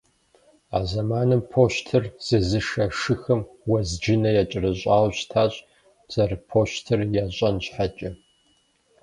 А зэманым пощтыр зезышэ шыхэм уэзджынэ якӏэрыщӏауэ щытащ, зэрыпощтыр ящӏэн щхьэкӏэ.